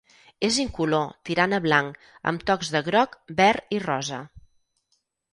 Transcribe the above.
És incolor tirant a blanc amb tocs de groc, verd i rosa.